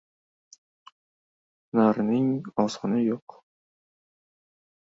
• Hunarning osoni yo‘q.